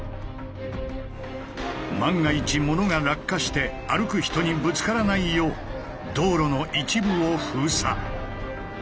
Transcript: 万が一ものが落下して歩く人にぶつからないよう道路の一部を封鎖。